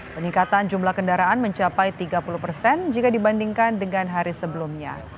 peningkatan jumlah kendaraan mencapai tiga puluh persen jika dibandingkan dengan hari sebelumnya